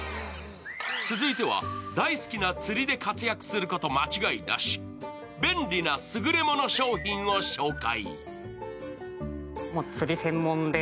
続いては、大すきな釣りで活躍すること間違いなし、便利なすぐれもの商品を紹介。